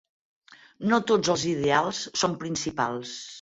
No tots els ideals són principals.